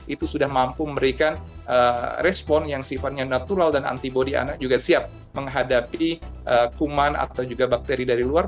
itu sudah mampu memberikan respon yang sifatnya natural dan antibody anak juga siap menghadapi kuman atau juga bakteri dari luar